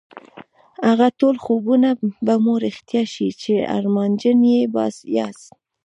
هغه ټول خوبونه به مو رښتيا شي چې ارمانجن يې ياست.